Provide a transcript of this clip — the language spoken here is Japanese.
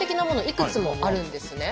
いくつもあるんですね。